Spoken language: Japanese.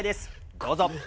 どうぞ。